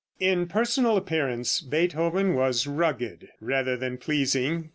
] In personal appearance Beethoven was rugged rather than pleasing.